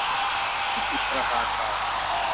วิจิตรตระการตา